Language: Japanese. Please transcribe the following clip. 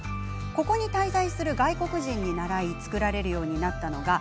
ここに滞在する外国人に習い作られるようになったのが